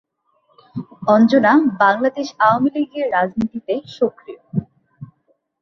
অঞ্জনা বাংলাদেশ আওয়ামী লীগের রাজনীতিতে সক্রিয়।